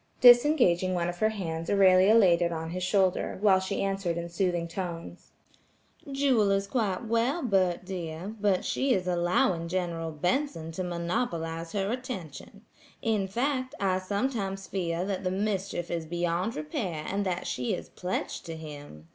Disengaging one of her hands, Aurelia laid it on his shoulder, while she answered in soothing tones: "Jewel is quite well, Bert dear, but she is allowing General Benson to monopolize her attention; in fact, I sometimes fear that the mischief is beyond repair and that she is pledged to him.